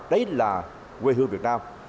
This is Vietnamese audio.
đấy là quê hương việt nam